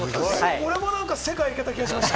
俺もなんか、世界行けた気がしました。